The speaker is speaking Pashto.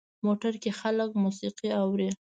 موټر کې خلک موسیقي اوري.